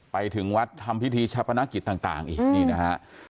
ไปถึงวัดทำพิธีชาปนกิจต่างอีกนี่นะฮะ